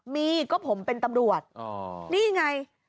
มีก็ผมเป็นตำรวจนี่ไง